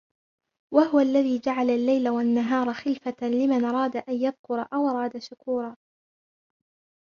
وهو الذي جعل الليل والنهار خلفة لمن أراد أن يذكر أو أراد شكورا